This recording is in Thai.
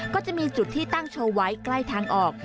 ก็จะมีจุดที่ตั้งโชว์ไว้ใกล้ทางออก